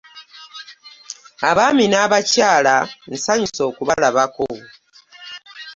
Abaami n'abakyala nsanyuse okubalabako.